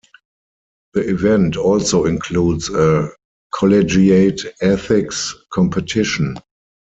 The event also includes a Collegiate Ethics Competition.